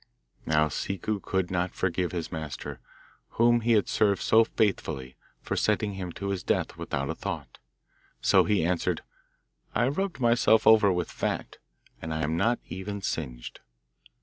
Now Ciccu could not forgive his master, whom he had served so faithfully, for sending him to his death without a thought, so he answered, 'I rubbed myself over with fat, and I am not even singed.